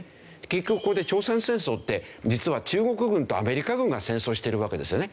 結局ここで朝鮮戦争って実は中国軍とアメリカ軍が戦争してるわけですよね。